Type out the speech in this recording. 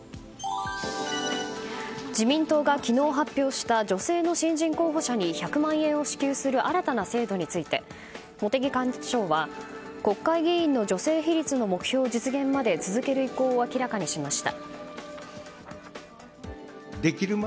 自民党が昨日、発表した女性の新人候補者に１００万円を支給する新たな制度について茂木幹事長は、国会議員の女性比率の目標実現まで続ける意向を明らかにしました。